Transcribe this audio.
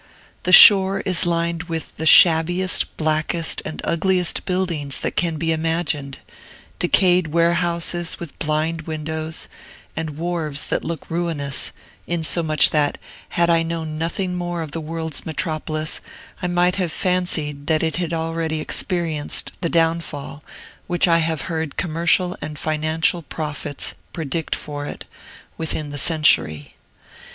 The shore is lined with the shabbiest, blackest, and ugliest buildings that can be imagined, decayed warehouses with blind windows, and wharves that look ruinous; insomuch that, had I known nothing more of the world's metropolis, I might have fancied that it had already experienced the downfall which I have heard commercial and financial prophets predict for it, within the century.